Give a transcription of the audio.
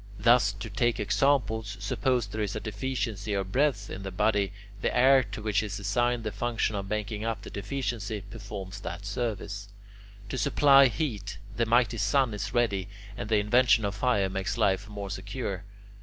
Thus, to take examples, suppose there is a deficiency of breath in the body, the air, to which is assigned the function of making up the deficiency, performs that service. To supply heat, the mighty sun is ready, and the invention of fire makes life more secure.